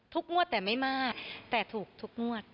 ทุกนวดแต่ไม่มาแต่ถูกทุกนวด